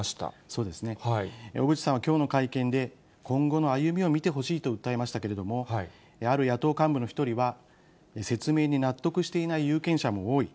そうですね、小渕さんはきょうの会見で、今後の歩みを見てほしいと訴えましたけれども、ある野党幹部の一人は、説明に納得していない有権者も多い。